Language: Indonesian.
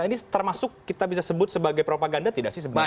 ini termasuk kita bisa sebut sebagai propaganda tidak sih sebenarnya